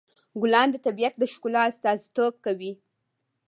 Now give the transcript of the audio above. ګلان د طبیعت د ښکلا استازیتوب کوي.